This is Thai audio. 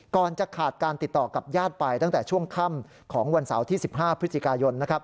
ก่อนจะขาดการติดต่อกับญาติไปตั้งแต่ช่วงค่ำของวันเสาร์ที่๑๕พฤศจิกายนนะครับ